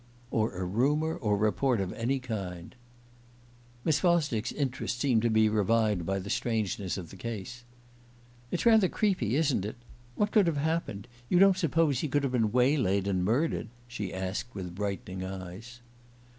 "Or a rumour or report of any kind." Miss Fosdick's interest seemed to be revived by the strangeness of the case. "It's rather creepy, isn't it? What could have happened? You don't suppose he could have been waylaid and murdered?" she asked with brightening eyes.